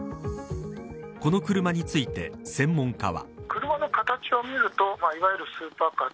この車について専門家は。